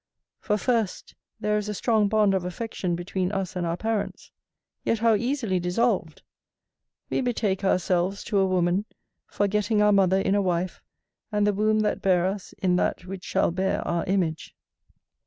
For first there is a strong bond of affection between us and our parents; yet how easily dissolved! We betake ourselves to a woman, forgetting our mother in a wife, and the womb that bare us in that which shall bear our image.